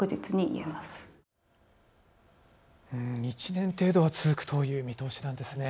１年程度は続くという見通しなんですね。